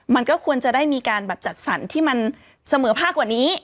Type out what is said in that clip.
มันก็ควรจะได้มีการแบบจัดสรรที่มันเสมอภาคกว่านี้